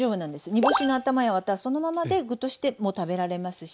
煮干しの頭やワタはそのままで具としても食べられますし